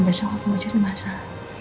besok aku mau jadi masalah